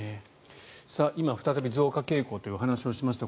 今、再び増加傾向というお話をしました。